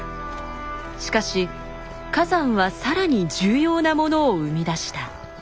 しかし火山はさらに重要なものを生み出した。